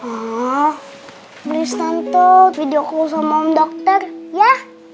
tolong tante video call sama om dokter ya